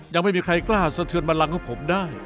ยังไม่มีใครกล้าเสือดมารังกับผมได้